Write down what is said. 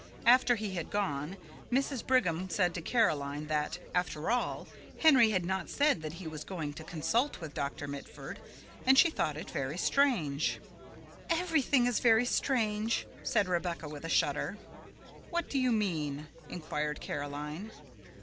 After he had gone, Mrs. Brigham said to Caroline that, after all, Henry had not said that he was going to consult with Doctor Mitford, and she thought it very strange. "Everything is very strange," said Rebecca with a shudder. "What do you mean?" inquired Caroline.